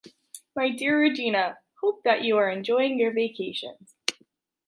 My dear Regina, hope that you are enjoying your vacations.